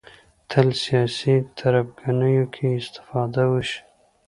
تل سیاسي تربګنیو کې استفاده وشي